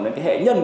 đến hệ nhân